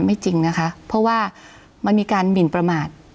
จริงนะคะเพราะว่ามันมีการหมินประมาท